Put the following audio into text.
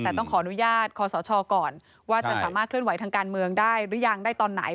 แต่ต้องขออนุญาตคอสชก่อนว่าจะสามารถเคลื่อนไหวทางการเมืองได้หรือยังได้ตอนไหน